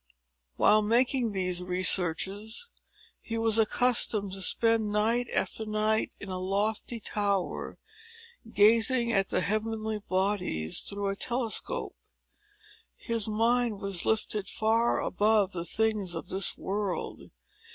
While making these researches he was accustomed to spend night after night in a lofty tower, gazing at the heavenly bodies through a telescope. His mind was lifted far above the things of this world.